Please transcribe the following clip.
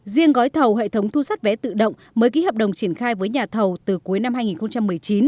riêng gói thầu hệ thống thu xoát vé tự động mới ký hợp đồng triển khai với nhà thầu từ cuối năm hai nghìn một mươi chín